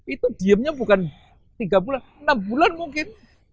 itu diemnya bukan tiga bulan enam bulan mungkin